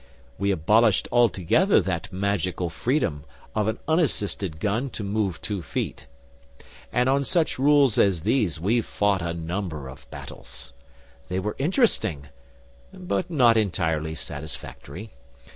We abolished altogether that magical freedom of an unassisted gun to move two feet. And on such rules as these we fought a number of battles. They were interesting, but not entirely satisfactory.